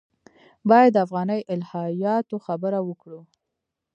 باید د افغاني الهیاتو خبره وکړو.